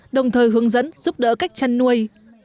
đồng thời hướng dẫn giúp đỡ cách chăn nuôi